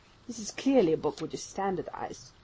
This is clearly a book which is standardized.